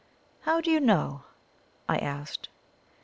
"How do you know?" I asked.